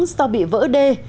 do bị vỡ đê